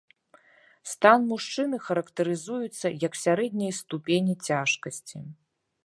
Стан мужчыны характарызуецца як сярэдняй ступені цяжкасці.